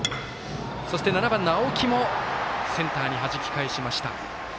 そして７番の青木もセンターにはじき返しました。